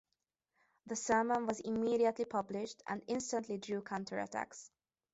The sermon was immediately published and instantly drew counter-attacks.